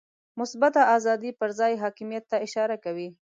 مثبته آزادي پر ځان حاکمیت ته اشاره کوي.